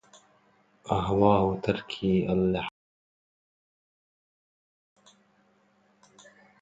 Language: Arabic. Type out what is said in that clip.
أهواه تركي اللحاظ يرق لي